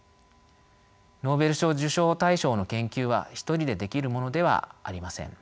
ノーベル賞受賞対象の研究は１人でできるものではありません。